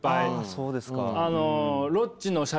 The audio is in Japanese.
そうですか。